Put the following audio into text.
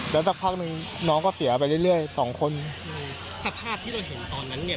แล้วสักพักหนึ่งน้องก็เสียไปเรื่อยสองคนอืมสภาพที่เราเห็นตอนนั้นเนี่ย